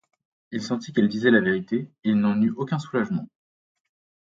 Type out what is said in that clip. Il sentit qu'elle disait la vérité, et il n'en eut aucun soulagement.